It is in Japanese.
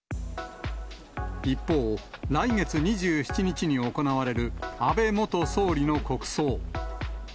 一方、来月２７日に行われる安倍元総理の国葬。